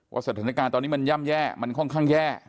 สถานการณ์ตอนนี้มันย่ำแย่มันค่อนข้างแย่